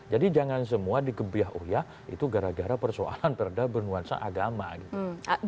jadi jangan semua dikebiah oh ya itu gara gara persoalan perda ber nuansa agama gitu